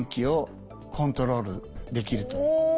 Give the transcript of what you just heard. お。